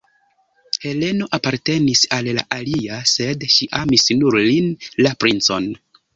Heleno apartenis al la alia, sed ŝi amis nur lin, la princon.